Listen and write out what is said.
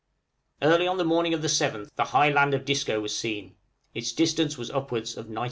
Early on the morning of the 7th the high land of Disco was seen; its distance was upwards of 90 miles.